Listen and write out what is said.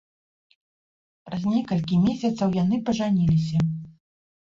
Праз некалькі месяцаў яны пажаніліся.